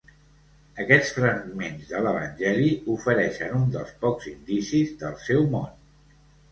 Aquests fragments de l'Evangeli ofereixen un dels pocs indicis del seu món.